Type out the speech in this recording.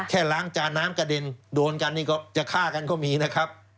แค่ล้างจานน้ำกระเด็นโดนกันนี่ก็จะฆ่ากันก็มีนะครับ